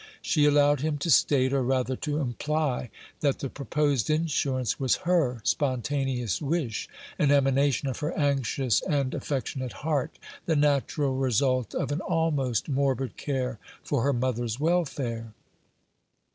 She allowed him to state, or rather to imply, that the proposed insurance was her spontaneous wish, an emanation of her anxious and affectionate heart, the natural result of an almost morbid care for her mother's welfare.